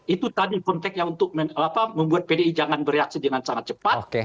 itu tadi konteknya untuk membuat pdi jangan bereaksi dengan sangat cepat